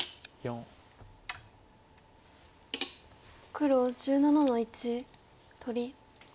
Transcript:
黒１７の一取り。